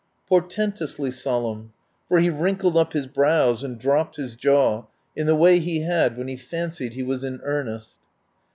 Portentously sol emn, for he wrinkled up his brows and dropped his jaw in the way he had when he fancied he was in earnest.